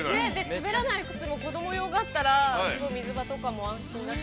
◆滑らない靴も、子供用があったらすごい水場とかも安心だし。